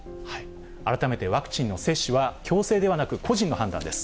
改めてワクチンの接種は、強制ではなく個人の判断です。